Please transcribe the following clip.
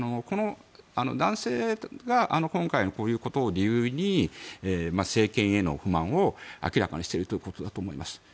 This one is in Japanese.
男性が今回のこういうことを理由に政権への不満を明らかにしているということだと思います。